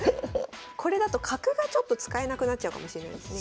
これだと角がちょっと使えなくなっちゃうかもしれないですね。